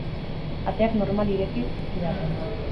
Ateak normal ireki zizkidaten.